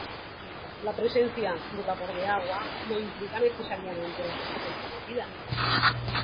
La presencia de vapor de agua no implica necesariamente la existencia de vida.